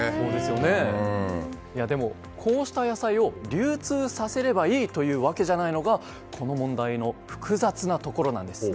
でも、こうした野菜を流通させればいいというわけじゃないのがこの問題の複雑なところなんです。